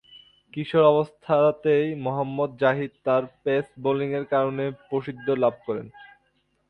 কিশোর অবস্থাতেই মোহাম্মদ জাহিদ তার পেস বোলিংয়ের কারণে প্রসিদ্ধি লাভ করেন।